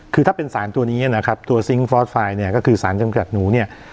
คือถ้าเป็นสารตัวนี้นะครับตัวซิงค์ฟอสไฟล์เนี่ยก็คือสารจำกัดหนูเนี่ย